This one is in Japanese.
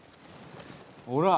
「ほら！」